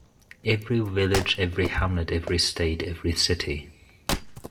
Every village, every hamlet, every state, every city.